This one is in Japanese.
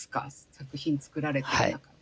作品作られてる中で。